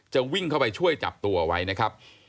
วิ่งเข้าไปช่วยจับตัวไว้นะครับ